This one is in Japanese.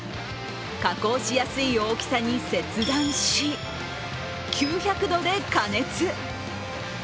加工しやすい大きさに切断し、９００度で加熱。